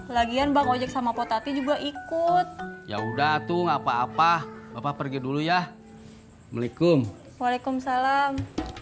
lagian bakojek sama potati juga ikut ya udah tuh nggak apa apa bapak pergi dulu ya waalaikumsalam